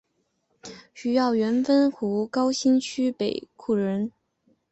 许耀元汾湖高新区北厍人。